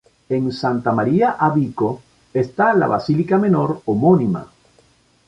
En Santa Maria a Vico está la basílica menor homónima.